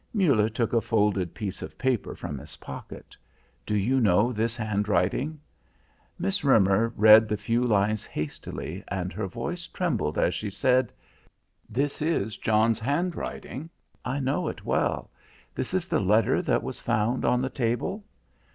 Muller took a folded piece of paper from his pocket. "Do you know this handwriting?" Miss Roemer read the few lines hastily and her voice trembled as she said: "This is John's handwriting. I know it well. This is the letter that was found on the table?"